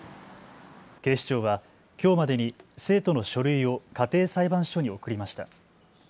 警視庁はきょうまでに生徒の書類を家庭裁判所に送りました。